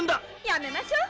「やめましょう」